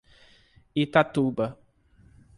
Itatuba